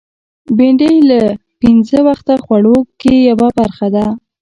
بېنډۍ له پینځه وخته خوړو کې یوه برخه ده